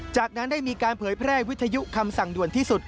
จากนั้นได้มีการเผยแพร่วิทยุคำสั่งด่วนที่สุด